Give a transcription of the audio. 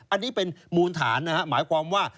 อันนี้เป็นมูลฐานนะฮะหมายความว่า